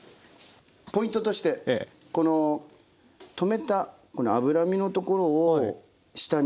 ポイントとしてこのとめたこの脂身のところを下にします。